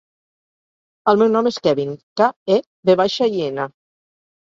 El meu nom és Kevin: ca, e, ve baixa, i, ena.